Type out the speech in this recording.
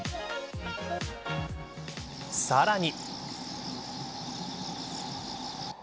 さらに。